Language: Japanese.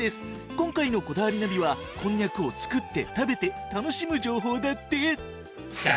今回の『こだわりナビ』はこんにゃくを作って食べて楽しむ情報だって！